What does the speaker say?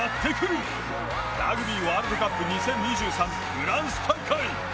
フランス大会」。